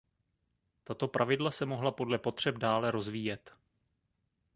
Tato pravidla se mohla podle potřeb dále rozvíjet.